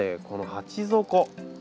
この鉢底。